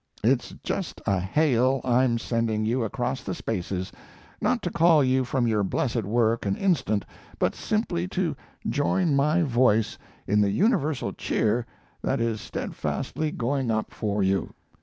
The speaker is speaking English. It's just a hail I'm sending you across the spaces not to call you from your blessed work an instant, but simply to join my voice in the universal cheer that is steadfastly going up for you.